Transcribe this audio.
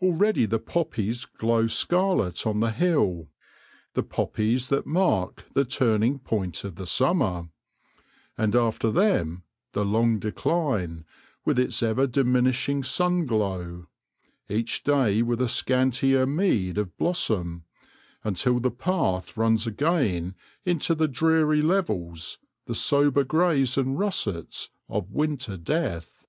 Already the poppies glow scarlet on the hill — the poppies that mark the turning point of the summer ; and after them the long decline, with its ever dimin ishing sun glow ; each day with a scantier meed of blossom, until the path runs again into the dreary levels, the sober greys and russets, of winter death.